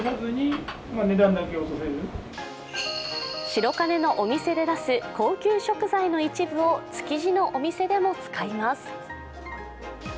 白金のお店で出す高級食材の一部を築地のお店でも使います。